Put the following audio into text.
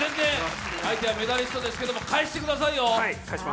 相手はメダリストですけれども返してくださいよ！